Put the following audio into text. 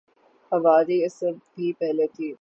آبادی اس سے بھی پہلے تھی